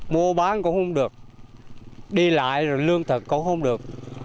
mua bán cũng không được đi lại rồi lương thực cũng không được